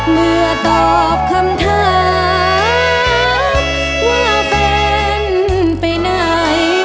เมื่อตอบคำถามว่าแฟนไปไหน